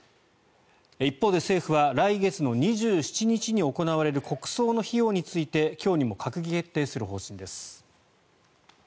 一方で、政府は来月の２７日に行われる国葬の費用について今日にも閣議決定する方針です。